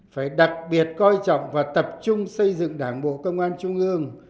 phải đặc biệt coi trọng và tập trung xây dựng đảng bộ công an trung ương